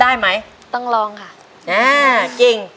ร้อยไปลูก